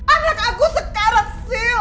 anak aku sekarat syl